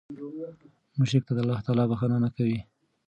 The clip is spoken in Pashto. مشرک ته الله تعالی بخښنه نه کوي